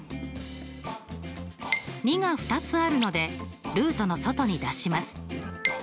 ２が２つあるのでルートの外に出します。